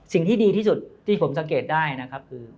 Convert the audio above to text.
สิ่งที่ดีที่สุดที่ผมสังเกตได้นะครับคือ